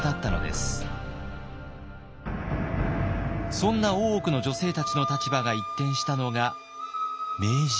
そんな大奥の女性たちの立場が一転したのが明治維新。